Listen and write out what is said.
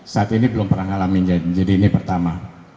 saat ini belum pernah ngalamin jadi ini pertama